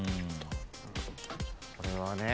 これはね。